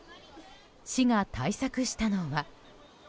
市が対策したのは。